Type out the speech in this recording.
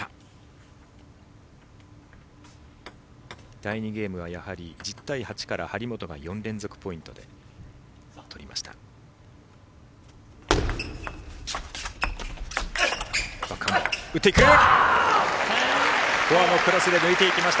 第２ゲームは１０対８から張本が４連続ポイントで取りました。